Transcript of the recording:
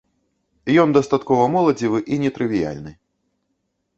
Ён дастаткова моладзевы і нетрывіяльны.